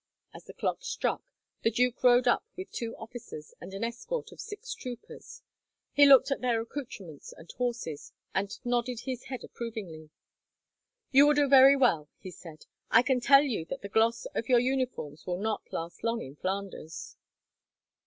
As the clock struck, the duke rode up with two officers and an escort of six troopers. He looked at their accoutrements and horses, and nodded his head approvingly. "You will do very well," he said. "I can tell you that the gloss of your uniforms will not last long, in Flanders."